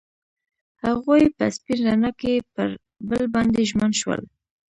هغوی په سپین رڼا کې پر بل باندې ژمن شول.